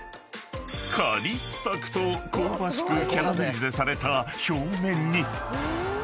［カリッサクッと香ばしくキャラメリゼされた表面に］